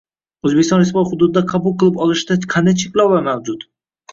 O‘zbekiston Respublikasi hududida qabul qilib olishda qanday cheklovlar mavjud?